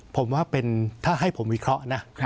ผมว่าถ้าให้ผมวิเคราะห์นะ